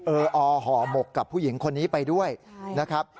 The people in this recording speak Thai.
เอออห่อหมกกับผู้หญิงคนนี้ไปด้วยนะครับ